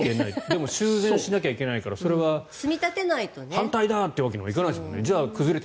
でも修繕しなきゃいけないからそれは反対だ！ってわけにもいかないですからね。